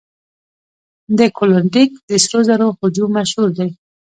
د کلونډیک د سرو زرو هجوم مشهور دی.